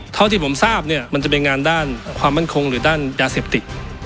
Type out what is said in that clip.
เท่าที่ผมทราบเนี่ยมันจะเป็นงานด้านความมั่นคงหรือด้านยาเสพติด